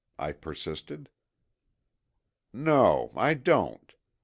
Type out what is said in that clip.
I persisted. "No, I don't.